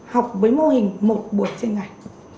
học với mô hình một buổi trên ngày